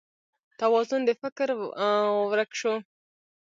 توازون د فکر ورک شو